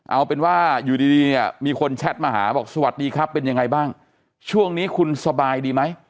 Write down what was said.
เอาเป็นว่าอยู่ดีดีเนี่ยมีคนแชทมาหาบอกสวัสดีครับเป็นยังไงบ้างช่วงนี้คุณสบายดีไหม